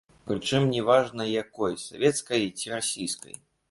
Прычым, не важна якой, савецкай ці расійскай.